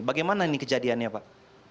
bagaimana ini kejadiannya pak